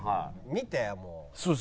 見てもう。